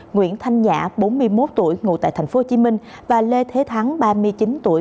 nguyễn thanh nhã bốn mươi một tuổi ngụ tại thành phố hồ chí minh và lê thế thắng ba mươi chín tuổi